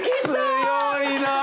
強いなあ。